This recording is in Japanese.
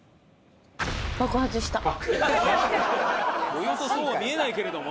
およそそうは見えないけれども？